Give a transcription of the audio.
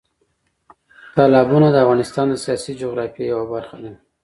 تالابونه د افغانستان د سیاسي جغرافیه یوه برخه ده.